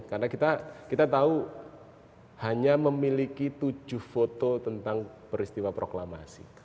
karena kita kita tahu hanya memiliki tujuh foto tentang peristiwa proklamasi